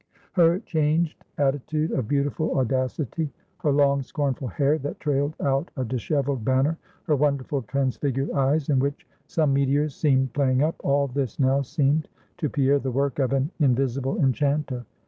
Her changed attitude of beautiful audacity; her long scornful hair, that trailed out a disheveled banner; her wonderful transfigured eyes, in which some meteors seemed playing up; all this now seemed to Pierre the work of an invisible enchanter.